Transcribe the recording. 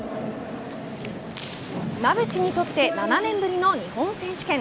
馬淵にとって７年ぶりの日本選手権。